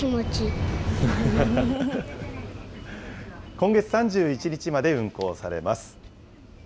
今月３１日まで運行されます。